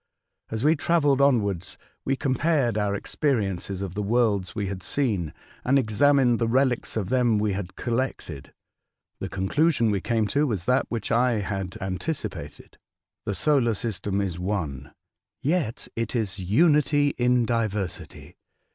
As we travelled onwards, we compared our experiences of the worlds we had seen, and examined the relics of them we had collected. The conclusion we came to was that which I had anticipated : the solar system is one, yet it is unity in diversity.